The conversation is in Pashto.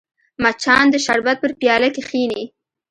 مچان د شربت پر پیاله کښېني